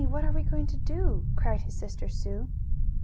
What are we going to do?" cried his sister Sue.